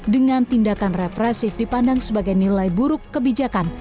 dengan tindakan represif dipandang sebagai nilai buruk kebijakan